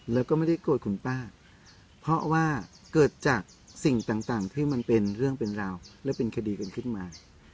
แล้วก็ไม่ได้โกรธคุณป้าเพราะว่าเกิดจากสิ่งต่างที่มันเป็นเรื่องเป็นราวและเป็นคดีกันขึ้นมา